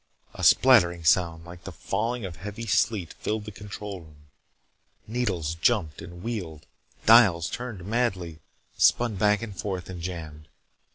A spattering sound like the falling of heavy sleet filled the control room. Needles jumped and wheeled. Dials turned madly, spun back and forth, and jammed.